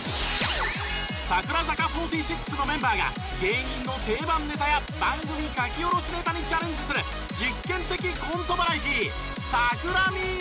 櫻坂４６のメンバーが芸人の定番ネタや番組書き下ろしネタにチャレンジする実験的コントバラエティー。